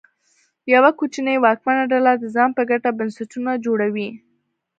یوه کوچنۍ واکمنه ډله د ځان په ګټه بنسټونه جوړوي.